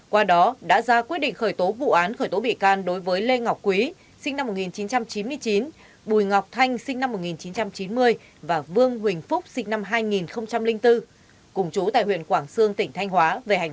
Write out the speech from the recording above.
qua đó đã ra quyết định khởi tố vụ án khởi tố bị can đối với lê ngọc quý sinh năm một nghìn chín trăm chín mươi chín